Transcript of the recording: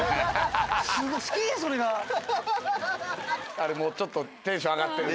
あれもうちょっとテンション上がってる。